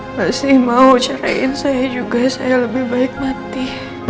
pasti mau ceraiin saya juga saya lebih baik mati